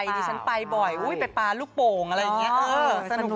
เคยไปนี่ฉันไปบ่อยอุ้ยไปปลาลูกโป่งอะไรอย่างนี้